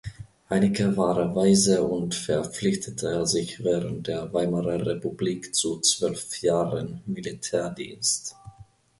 Heinicke war Waise und verpflichtete sich während der Weimarer Republik zu zwölf Jahren Militärdienst.